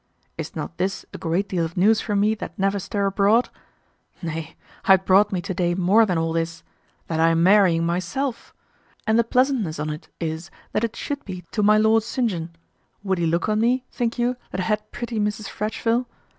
Is not this a great deal of news for me that never stir abroad? Nay, I had brought me to day more than all this: that I am marrying myself! And the pleasantness on't is that it should be to my Lord St. John. Would he look on me, think you, that had pretty Mrs. Fretcheville?